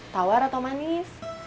tawar atau manis